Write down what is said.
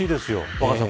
若狭さん